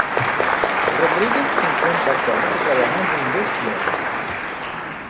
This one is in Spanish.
Rodriguez se encuentra actualmente trabajando en dos guiones.